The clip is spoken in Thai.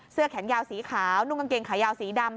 เสื้อแขนยาวสีขาวนุ่งกางเกงขายาวสีดำ